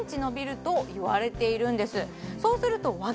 そうすると